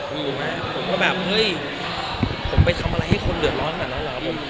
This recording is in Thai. ดูมาผมก็แบบเฮ้ยผมไปทำอะไรให้คนเหลือร้อนอ่ะนะเหรอผม